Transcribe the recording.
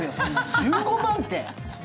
１５万て。